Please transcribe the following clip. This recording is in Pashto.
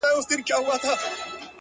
• مګر، پرته له هیڅ ډول مبالغې ,